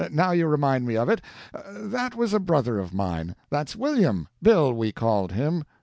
Now you remind me of it; that was a brother of mine. That's William Bill we called him.